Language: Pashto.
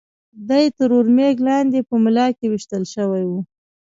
دی تر ور مېږ لاندې په ملا کې وېشتل شوی و.